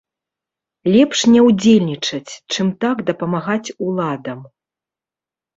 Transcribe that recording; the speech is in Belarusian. Лепш не ўдзельнічаць, чым так дапамагаць уладам.